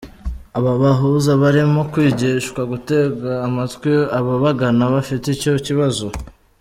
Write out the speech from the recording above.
Aba bahuza barimo kwigishwa gutega amatwi ababagana bafite icyo kibazo.